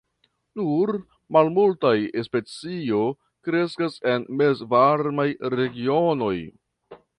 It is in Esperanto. Nur malmultaj specio kreskas en mezvarmaj regionoj.